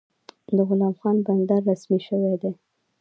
د غلام خان بندر رسمي شوی دی؟